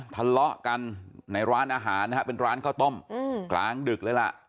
ทะเลาะกันในร้านอาหารนะฮะเป็นร้านข้าวต้มกลางดึกเลยล่ะ